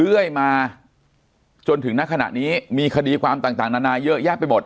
กล้วยมาจนถึงหน้าขณะนี้มีคดีความต่างต่างนานาเยอะแยกไปหมด